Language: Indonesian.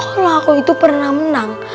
kalau aku itu pernah menang